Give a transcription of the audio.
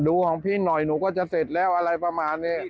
ของพี่หน่อยหนูก็จะเสร็จแล้วอะไรประมาณนี้